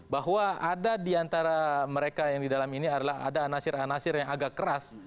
bahwa ada di antara mereka yang di dalam ini adalah ada anasir anasir yang agak keras